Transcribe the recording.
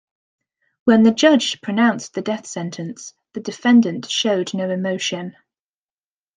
When the judge pronounced the death sentence, the defendant showed no emotion.